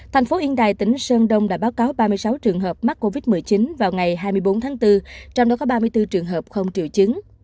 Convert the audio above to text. thành phố yên đài tỉnh sơn đông đã báo cáo ba mươi sáu trường hợp mắc covid một mươi chín vào ngày hai mươi bốn tháng bốn trong đó có ba mươi bốn trường hợp không triệu chứng